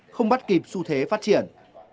không bắt kịp xu thế phát triển